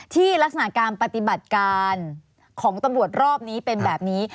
ลักษณะการปฏิบัติการของตำรวจรอบนี้เป็นแบบนี้